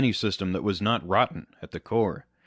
63 system that was not rotten at the core.